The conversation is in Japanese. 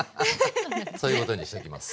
そういうことにしときます。